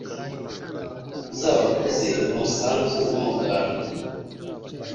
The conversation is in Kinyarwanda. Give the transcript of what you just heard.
Uzabakuze umusanzu n’umuganda,